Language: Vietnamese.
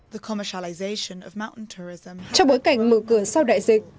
trong bối cảnh mở cửa sau đại dịch